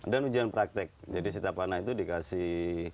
dan ujian praktek jadi setiap anak itu dikasih